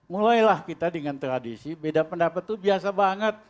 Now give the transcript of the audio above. mulailah kita dengan tradisi beda pendapat itu biasa banget